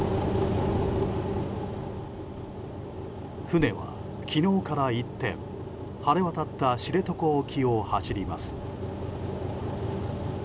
船は昨日から一転晴れ渡った知床沖を走ります。